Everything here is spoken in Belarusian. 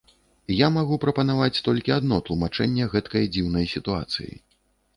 Я магу прапанаваць толькі адно тлумачэнне гэткай дзіўнай сітуацыі.